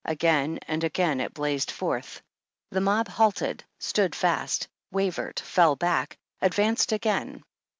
Again and again it blazed forth. The mob halted, stood fast, wavered, fell back, advanced again.